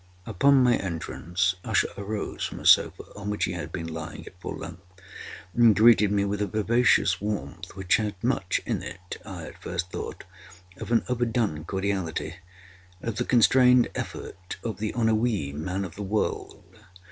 Upon my entrance, Usher arose from a sofa on which he had been lying at full length, and greeted me with a vivacious warmth which had much in it, I at first thought, of an overdone cordiality—of the constrained effort of the ennuyé man of the world.